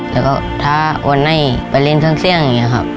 แล้วก็ถ้าวันไหนไปเล่นเครื่องเสี่ยงอย่างนี้ครับ